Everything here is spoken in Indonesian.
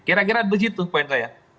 kira kira begitu poin saya